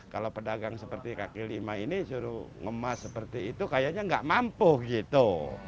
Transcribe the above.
kalau pedagang seperti kaki lima ini suruh ngemas seperti itu kayaknya nggak mampu gitu